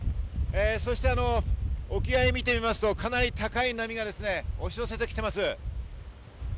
そして沖合をみてみますと、かなり高い波が押し寄せてきています。